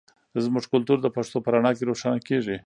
زموږ کلتور د پښتو په رڼا کې روښانه کیږي.